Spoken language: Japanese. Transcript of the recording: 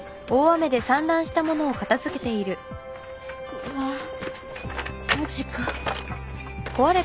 うわマジか。